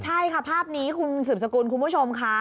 ใช่ค่ะภาพนี้คุณสืบสกุลคุณผู้ชมค่ะ